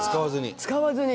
使わずに。